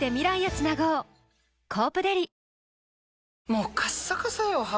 もうカッサカサよ肌。